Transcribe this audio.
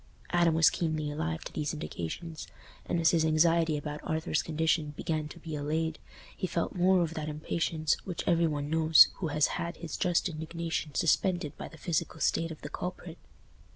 Adam was keenly alive to these indications, and as his anxiety about Arthur's condition began to be allayed, he felt more of that impatience which every one knows who has had his just indignation suspended by the physical state of the culprit.